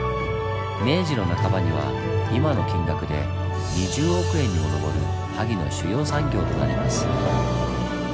明治の半ばには今の金額で２０億円にも上る萩の主要産業となります。